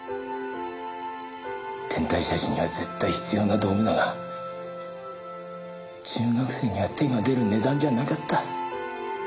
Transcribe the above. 天体写真には絶対必要な道具だが中学生には手が出る値段じゃなかった。